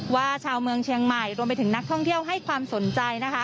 ชาวเมืองเชียงใหม่รวมไปถึงนักท่องเที่ยวให้ความสนใจนะคะ